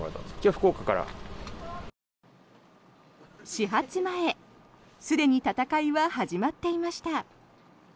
始発前、すでに戦いは始まっていました。